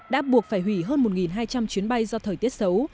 đã buộc phải hủy hơn một hai trăm linh chuyến bay do thời tiết xấu